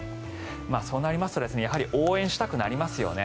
そうなりますとやはり応援したくなりますよね。